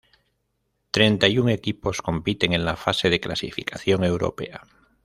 Treinta y un equipos compiten en la fase de clasificación europea.